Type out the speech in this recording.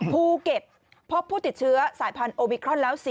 ภูเก็ตพบผู้ติดเชื้อสายพันธุมิครอนแล้ว